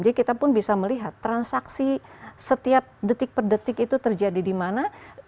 jadi kita pun bisa melihat transaksi setiap detik per detik itu terjadi di mana